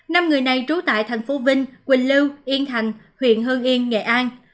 năm người này trú tại thành phố vinh quỳnh lưu yên thành huyện hương yên nghệ an